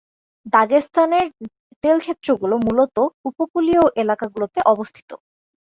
দাগেস্তানের তেল ক্ষেত্র গুলো মূলত উপকূলীয় এলাকা গুলোতে অবস্থিত।